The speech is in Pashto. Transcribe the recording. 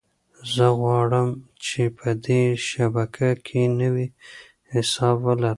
زه غواړم چې په دې شبکه کې نوی حساب ولرم.